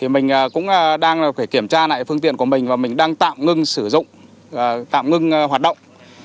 mình cũng đang phải kiểm tra lại phương tiện của mình và mình đang tạm ngưng sử dụng tạm ngưng hoạt động